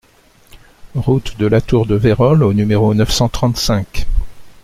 Route de la Tour de Vayrols au numéro neuf cent trente-cinq